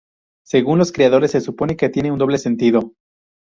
Según los creadores se supone que tiene un doble sentido.